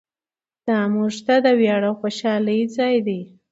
دا موږ ته د ویاړ او خوشحالۍ ځای دی.